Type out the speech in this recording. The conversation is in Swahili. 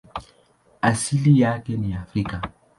Asili yake ni Afrika.